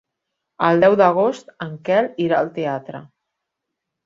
El deu d'agost en Quel irà al teatre.